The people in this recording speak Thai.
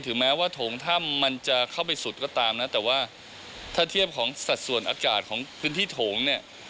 แม้ว่าโถงถ้ำมันจะเข้าไปสุดก็ตามนะแต่ว่าถ้าเทียบของสัดส่วนอากาศของพื้นที่โถงเนี่ย